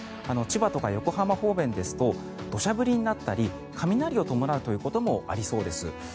千葉とか横浜方面ですと土砂降りになったり雷を伴うということもありそうです。